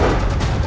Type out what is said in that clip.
aku akan menangkapmu